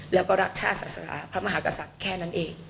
แล้วก็รักชาติศาสนาพระมหากษัตริย์แค่นั้นเอง